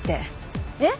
えっ？